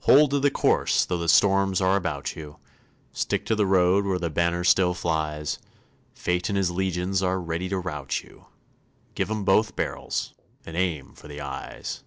Hold to the course, though the storms are about you; Stick to the road where the banner still flies; Fate and his legions are ready to rout you Give 'em both barrels and aim for their eyes.